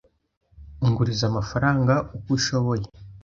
Unguriza amafaranga uko ushoboye.